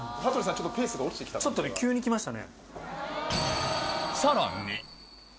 ちょっとね急にきましたね。